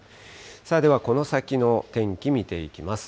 ではこの先の天気、見ていきます。